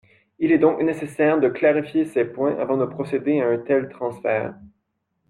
Il est donc nécessaire de clarifier ces points avant de procéder à un tel transfert.